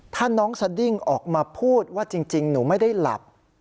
ถ้าน้องสดิ้งออกมาพูดว่าจริงหนูไม่ได้หลับ